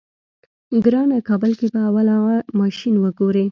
ګرانه کابل کې به اول اغه ماشين وګورې.